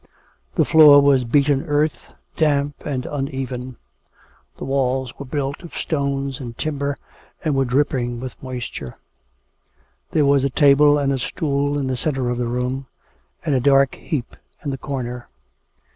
The floor was beaten earth, damp and uneven; the walls were built of stones and timber, and were drip ping with moisture; there was a table and a stool in the centre of the room, and a dark heap in the corner.